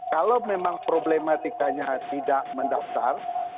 kalau memang problematikanya tidak mendaftar